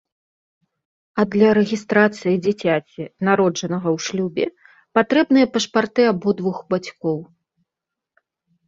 А для рэгістрацыі дзіцяці, народжанага ў шлюбе, патрэбныя пашпарты абодвух бацькоў.